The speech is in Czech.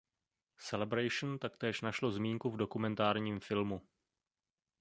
Celebration taktéž našlo zmínku v dokumentárním filmu.